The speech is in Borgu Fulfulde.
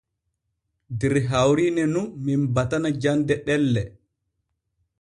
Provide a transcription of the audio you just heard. Der hawrine nun men batana jande ɗelle.